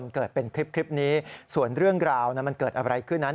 เกิดเป็นคลิปนี้ส่วนเรื่องราวนั้นมันเกิดอะไรขึ้นนั้น